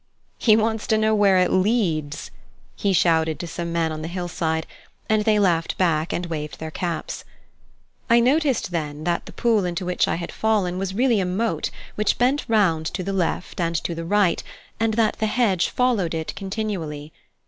"He wants to know where it leads!" he shouted to some men on the hill side, and they laughed back, and waved their caps. I noticed then that the pool into which I had fallen was really a moat which bent round to the left and to the right, and that the hedge followed it continually.